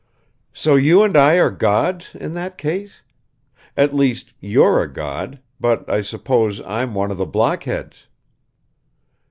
"So you and I are gods, in that case? At least, you're a god, but I suppose I'm one of the blockheads."